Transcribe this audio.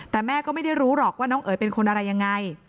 แต่แม่ก็ไม่ได้รู้หรอกว่าน้องเอ๋ยเป็นคนอะไรยังไง